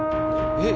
えっ？